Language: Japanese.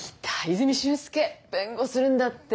泉駿介弁護するんだって？